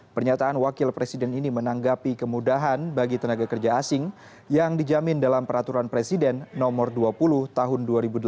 pernyataan wakil presiden ini menanggapi kemudahan bagi tenaga kerja asing yang dijamin dalam peraturan presiden nomor dua puluh tahun dua ribu delapan belas